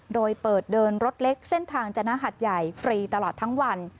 โดยเปิดเดินรถเล็กเส้นทางจนหัดใหญ่ฟรีตลอดทั้งวัน